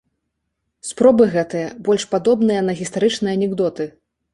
Спробы гэтыя больш падобныя на гістарычныя анекдоты.